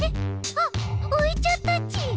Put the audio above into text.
あっういちゃったち！